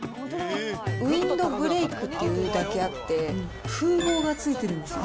ウィンドブレイクっていうだけあって、風防が付いてるんです。